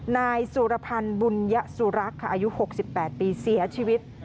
นายสุรพันธ์บุญยสุรักษ์ค่ะอายุ๖๘ปีเสียชีวิต